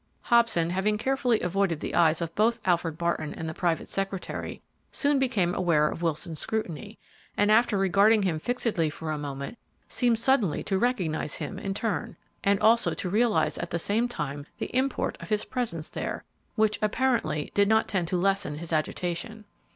Hobson, having carefully avoided the eyes of both Alfred Barton and the private secretary, soon became aware of Wilson's scrutiny, and after regarding him fixedly for a moment seemed suddenly to recognize him in turn, and also to realize at the same time the import of his presence there, which, apparently, did not tend to lessen his agitation.